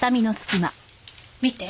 見て。